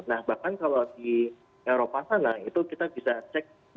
nah bahkan kalau di eropa sana itu kita bisa cek